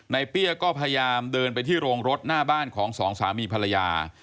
เปี้ยก็พยายามเดินไปที่โรงรถหน้าบ้านของสองสามีภรรยา